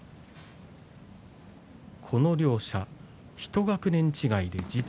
この両者、１学年違い。